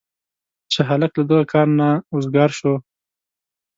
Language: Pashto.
چې هلک له دغه کاره نه وزګار شو.